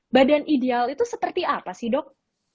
badan ideal itu seperti apa sih dok